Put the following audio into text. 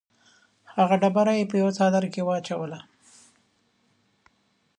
هغه ډبره یې په یوه څادر کې واچوله.